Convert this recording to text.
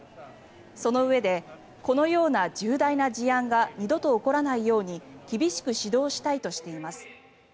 そのうえでこのような重大な事案が二度と起こらないように厳しく指導したいとしています。